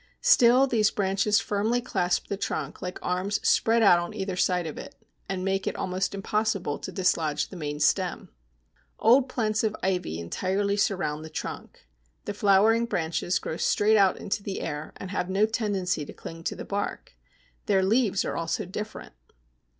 Still these branches firmly clasp the trunk like arms spread out on either side of it, and make it almost impossible to dislodge the main stem. Old plants of ivy entirely surround the trunk. The flowering branches grow straight out into the air, and have no tendency to cling to the bark. Their leaves are also different.